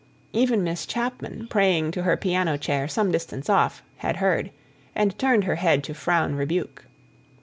Even Miss Chapman, praying to her piano chair some distance off, had heard, and turned her head to frown rebuke.